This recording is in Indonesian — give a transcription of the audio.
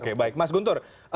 oke baik mas guntur